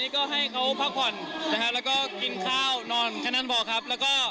ก็เหอะนิดหน่อยครับ